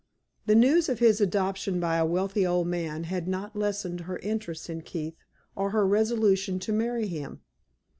The news of his adoption by a wealthy old man had not lessened her interest in Keith or her resolution to marry him.